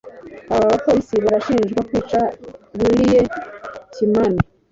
Aba ba polisi barashinjwa kwica Willie Kimani